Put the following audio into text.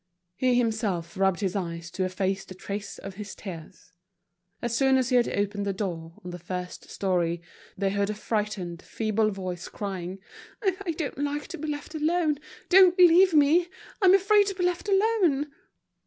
He himself rubbed his eyes to efface the trace of his tears. As soon as he had opened the door, on the first storey, they heard a frightened, feeble voice crying: "Oh, I don't like to be left alone. Don't leave me; I'm afraid to be left alone."